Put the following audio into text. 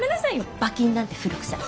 馬琴なんて古くさい。